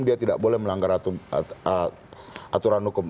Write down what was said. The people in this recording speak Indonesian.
dia tidak boleh melanggar aturan hukum